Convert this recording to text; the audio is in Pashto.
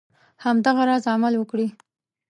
همدغه راز عمل وکړي.